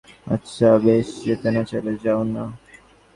আচ্ছা বেশ, যেতে না-চাইলে যাবে না।